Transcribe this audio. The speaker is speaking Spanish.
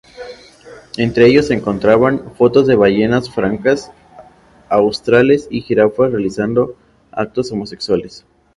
Entre ellos se encontraban fotos de ballenas francas australes y jirafas realizando actos homosexuales.